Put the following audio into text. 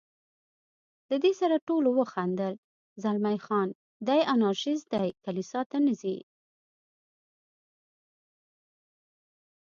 له دې سره ټولو وخندل، زلمی خان: دی انارشیست دی، کلیسا ته نه ځي.